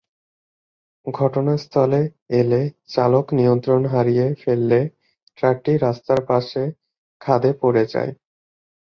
ঘটনাস্থলে এলে চালক নিয়ন্ত্রণ হারিয়ে ফেললে ট্রাকটি রাস্তার পাশে খাদে পড়ে যায়।